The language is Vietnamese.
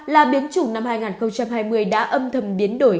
là biến chủng năm hai nghìn hai mươi đã âm thầm biến đổi